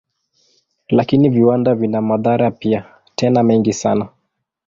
Lakini viwanda vina madhara pia, tena mengi sana.